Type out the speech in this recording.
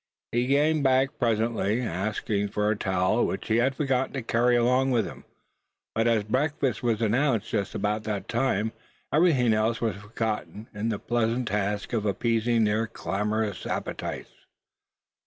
He came back presently, asking for a towel, which he had forgotten to carry along with him. But as breakfast was announced just about that time, everything else was forgotten in the pleasant task of appeasing their clamorous appetites.